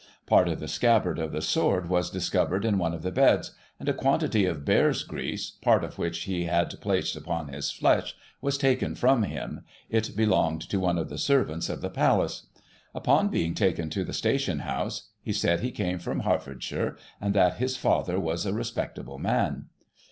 Part of the scabbard of the sword was dis covered in one of the beds> and a quantity of bear's grease, part of which he had placed upon his flesh, was taken from him — ^it belonged to one of the servants of the Palace. Upon being taken to the station house, he said he came from Hert fordshire, and that his father was a respectable man.